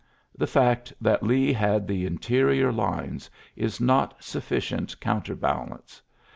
The fsbct that Lee had the interior lines is not sufioient counterbalance.